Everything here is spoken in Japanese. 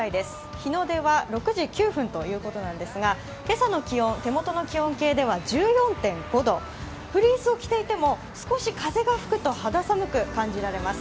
日の出は６時分９分ということなんですが今朝の気温、手元の気温計では１４．５度フリースを着ていても、少し風が吹くと肌寒く感じられます。